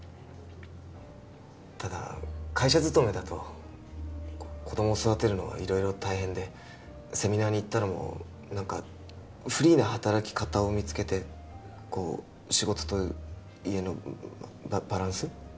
ただ会社勤めだと子供育てるのは色々大変でセミナーに行ったのも何かフリーな働き方を見つけてこう仕事と家のバランス？